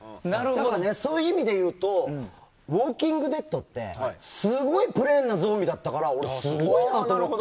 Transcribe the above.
そういう意味で言うと「ウォーキング・デッド」ってすごいプレーンなゾンビだったから俺、すごいなと思って。